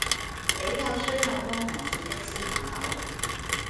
比較趨向功能性的思考